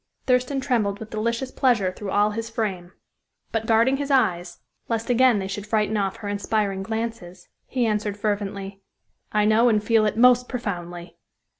Thurston trembled with delicious pleasure through all his frame; but, guarding his eyes, lest again they should frighten off her inspiring glances, he answered, fervently: "I know and feel it most profoundly."